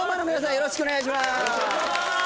よろしくお願いします